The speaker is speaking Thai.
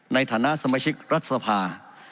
ในฐานะสมาชิกรัฐสภา